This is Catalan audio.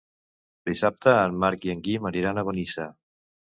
Dissabte en Marc i en Guim aniran a Benissa.